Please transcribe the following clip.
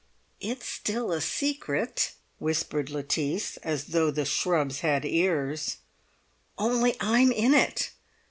"It's still a secret," whispered Lettice, as though the shrubs had ears, "only I'm in it.